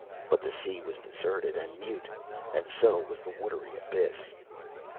But the sea was deserted and mute, and so was the watery abyss.